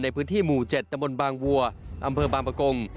ในพื้นที่หมู่๗ตะบนบางวัวอำเภอบางประกง